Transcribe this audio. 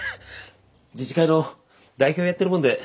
自治会の代表やってるもんで。